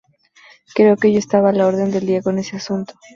Creo que yo estaba a la orden del día con ese asunto.